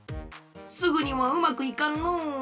すぐにはうまくいかんの。